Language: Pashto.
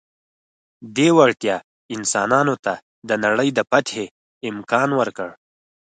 دې وړتیا انسانانو ته د نړۍ د فتحې امکان ورکړ.